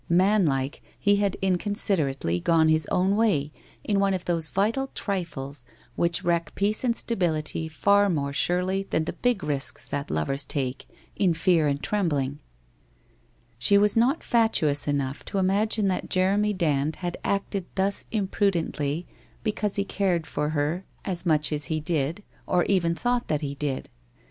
Man like, he had inconsiderately gone his own way in one of those vital trifles which wreck peace and stability far more surely than the big risks that lovers take in fear and trembling. She was not fatuous enough to imagine that Jeremy Dand had acted thus imprudently because he cared for her WHITE ROSE OF WEARY LEAF 161 as much as he said, or even thought that he did.